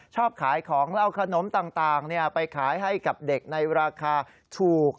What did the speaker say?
ขายของแล้วเอาขนมต่างไปขายให้กับเด็กในราคาถูก